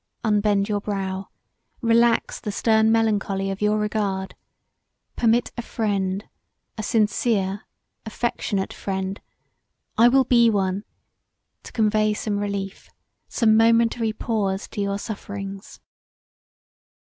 Unbend your brow; relax the stern melancholy of your regard; permit a friend, a sincere, affectionate friend, I will be one, to convey some relief, some momentary pause to your sufferings.